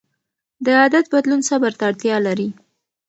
د عادت بدلون صبر ته اړتیا لري.